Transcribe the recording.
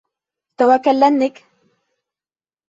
Тәүәккәлләнек!